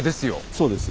そうです。